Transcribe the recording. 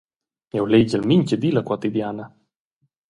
Jeu legel mintga di la Quotidiana.